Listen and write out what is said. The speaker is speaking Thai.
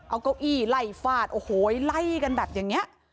เอาเก้าอี้ไล่ฟาดโอ้โหไล่กันแบบอย่างนี้